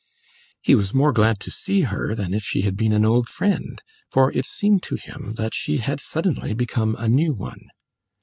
He was more glad to see her than if she had been an old friend, for it seemed to him that she had suddenly become a new one.